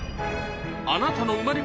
あなたの生まれ